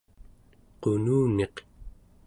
qununiq